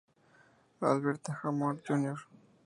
Albert Hammond Jr.